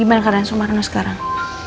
gimana pak sumarno sekarang